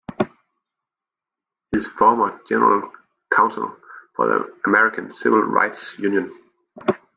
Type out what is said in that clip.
He is former general counsel for the American Civil Rights Union.